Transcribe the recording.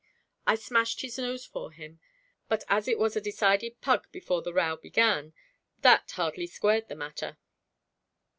I smashed his nose for him, but as it was a decided pug before the row began, that hardly squared the matter.'